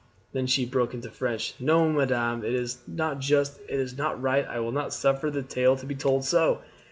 Then she broke into French, "No, madame, it is not just, it is not right; I will not suffer the tale to be told so.